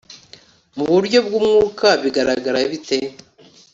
mu buryo bw umwuka bigaragara bite